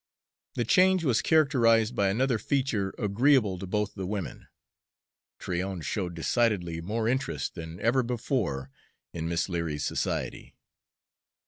The change was characterized by another feature agreeable to both the women: Tryon showed decidedly more interest than ever before in Miss Leary's society.